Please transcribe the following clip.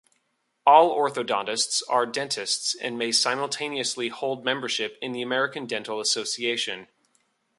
All orthodontists are dentists and may simultaneously hold membership in the American Dental Association.